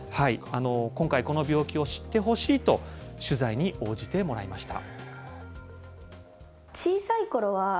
今回、この病気を知ってほしいと、取材に応じてもらいました。